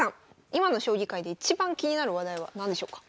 今の将棋界でいちばん気になる話題は何でしょうか？